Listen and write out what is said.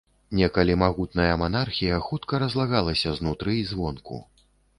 Некалі магутная манархія хутка разлагалася знутры і звонку.